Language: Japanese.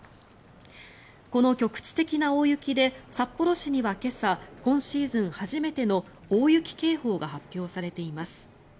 この局地的な大雪で札幌市には今朝今シーズン初めての大雪警報が発表されています。